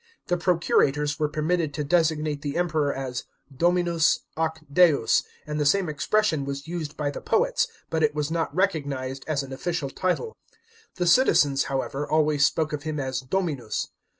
The procurators were permitted to designate the Emperor as dominus ac deus, and the same expression was used by the poets ; but it was not recognised as an official title. The citizens, however, always spoke of him as dominus.